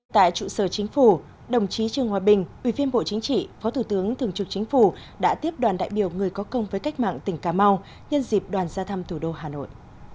tại trụ sở chính phủ đồng chí trương hòa bình ủy viên bộ chính trị phó thủ tướng thường trực chính phủ đã tiếp đoàn đại biểu người có công với cách mạng tỉnh cà mau nhân dịp đoàn gia thăm thủ đô hà nội